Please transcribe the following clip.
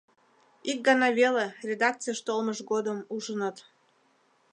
— Ик гана веле, редакцийыш толмыж годым, ужыныт.